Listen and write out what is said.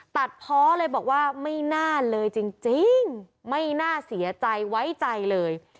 เพาะเลยบอกว่าไม่น่าเลยจริงไม่น่าเสียใจไว้ใจเลย